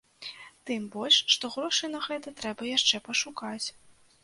Тым больш, што грошы на гэта трэба яшчэ пашукаць.